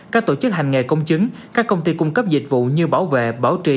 các tổ chức hành nghề công chứng các công ty cung cấp dịch vụ như bảo vệ bảo trì